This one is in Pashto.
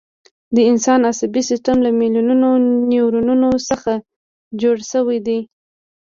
د انسان عصبي سیستم له میلیونونو نیورونونو څخه جوړ شوی دی.